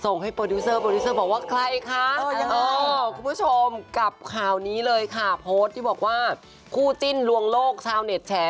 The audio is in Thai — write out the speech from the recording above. ส่งให้โปรดิวเซอร์โปรดิวเซอร์บอกว่าใครคะ